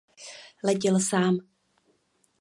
Letěl sám.